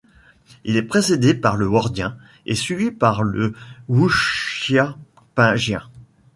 Il est précédé par le Wordien et suivi par le Wuchiapingien.